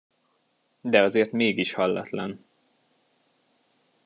De azért mégis hallatlan.